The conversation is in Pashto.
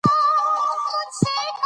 په لړۍ کي د اوبو د منظم مديريت يو بل مهم